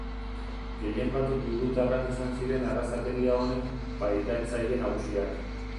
Gehienbat judutarrak izan ziren arrazakeria honen pairatzaile nagusiak.